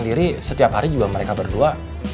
diri setiap hari juga mereka berdua